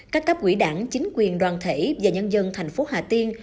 các cấp quỹ đảng chính quyền đoàn thể và nhân dân thành phố hà tiên